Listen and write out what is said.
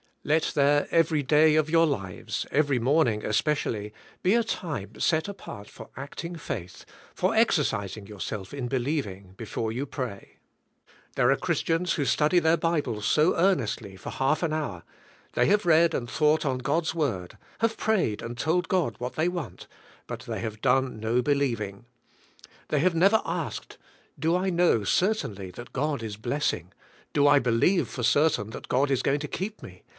Let there, every day of your lives, every morning, especially, be a time set apart for acting faith, for exercising yourself in believing, before you pray. There are Christians who study their Bibles so earnestly for half an hour, they have read and thought on God's word, have prayed and told God what they want, but they have done no believing. They have never asked, do I know, certainly, that God is blessing; do I believe, for certain, that God is going to keep me?